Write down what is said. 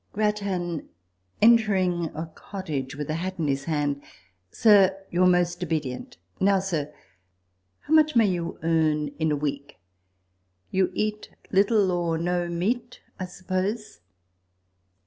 Grattan entering a cottage with his hat in his hand. "Sir, your most obedient Now, sir, how much may you earn in a week ? You eat little or no meat, I suppose."